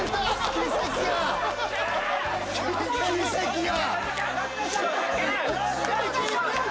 奇跡や。